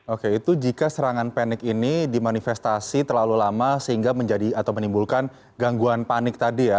oke itu jika serangan panik ini dimanifestasi terlalu lama sehingga menjadi atau menimbulkan gangguan panik tadi ya